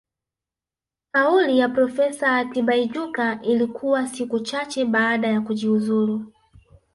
Kauli ya Profesa Tibaijuka ilitoka siku chache baada ya kujiuzulu